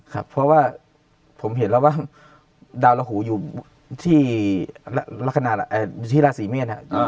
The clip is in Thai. ครับเพราะว่าผมเห็นแล้วว่าดาวละหูอยู่ที่ลาศรีเมียน